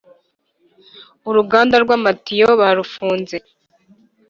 Uruganda rwamatiyo barufunze